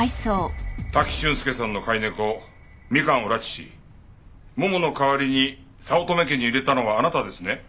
滝俊介さんの飼い猫みかんを拉致しももの代わりに早乙女家に入れたのはあなたですね？